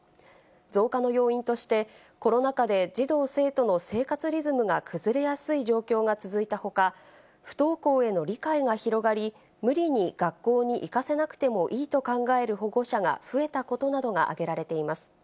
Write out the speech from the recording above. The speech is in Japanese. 増加の要因として、コロナ禍で児童・生徒の生活リズムが崩れやすい状況が続いたほか、不登校への理解が広がり、無理に学校に行かせなくてもいいと考える保護者が増えたことなどが挙げられています。